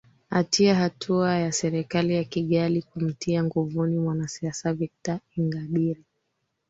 atia hatua ya serikali ya kigali kumtia nguvuni mwanasiasa victor ingabire